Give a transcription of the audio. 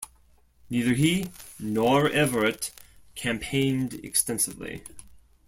Neither he nor Everett campaigned extensively.